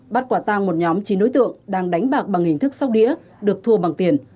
bắt quả tang một nhóm chín đối tượng đang đánh bạc bằng hình thức sóc đĩa được thua bằng tiền